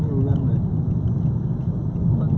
คุณผู้ชายเล่าจริงว่า